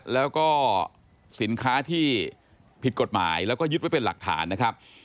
แล้วก็สินค้าที่ผิดกฎหมายแล้วก็ยึดไว้เป็นหลักฐานนะครับ